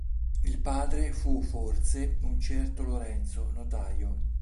Il padre, fu forse un certo Lorenzo, notaio.